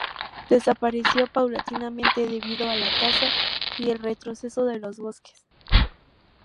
Desapareció paulatinamente, debido a la caza, y el retroceso de los bosques.